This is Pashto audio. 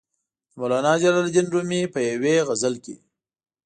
د مولانا جلال الدین رومي په یوې غزل کې.